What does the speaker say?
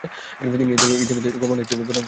তিনি ইতোমধ্যেই গভর্নর হিসেবে নিযুক্ত ছিলেন।